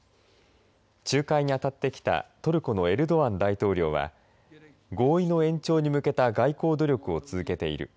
仲介に当ってきたトルコのエルドアン大統領は合意の延長に向けた外交努力を続けている。